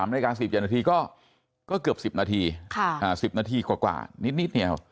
๒๓นาทีก็ก็เกือบ๑๐นาที๑๐นาทีกว่านิดเนี่ย